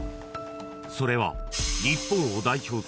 ［それは］